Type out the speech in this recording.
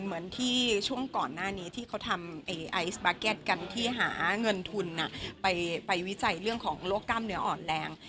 เหมือนที่ช่วงก่อนหน้านี้ที่เขาทำไอซ์บาร์เก็ตกันที่หาเงินทุนไปวิจัยเรื่องของโรคกล้ามเนื้ออ่อนแรง